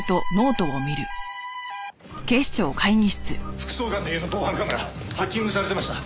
副総監の家の防犯カメラハッキングされていました！